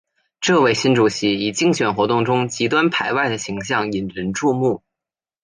这位新主席以竞选活动中极端排外的形象引人注目。